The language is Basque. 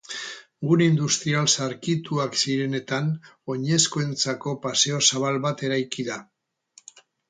Gune industrial zaharkituak zirenetan, oinezkoentzako paseo zabal bat eraiki da.